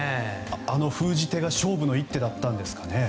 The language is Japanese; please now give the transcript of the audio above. あの封じ手が勝負の一手だったんですかね？